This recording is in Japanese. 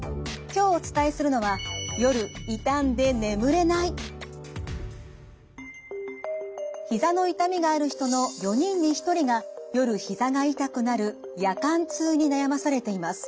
今日お伝えするのはひざの痛みがある人の４人に１人が夜ひざが痛くなる夜間痛に悩まされています。